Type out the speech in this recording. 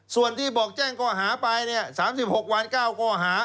ส่วนที่บอกแจ้งข้อหาไป๓๖วัน๙ข้อหา